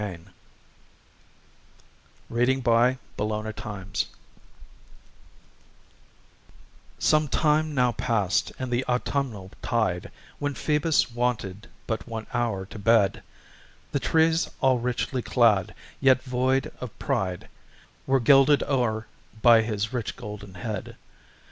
ANNE BRADSTREET CONTEMPLATIONS Some time now past in the Autumnal Tide, When Phoebus wanted but one hour to bed, The trees all richly clad, yet void of pride Were gilded o'er by his rich golden head.